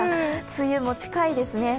梅雨も近いですね。